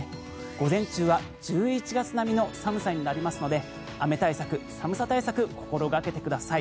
午前中は１１月並みの寒さになりますので雨対策、寒さ対策心掛けてください。